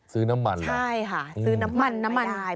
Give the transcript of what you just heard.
ซื้อน้ำมันเหรออเรนนี่ใช่ค่ะซื้อน้ำมันไม่ได้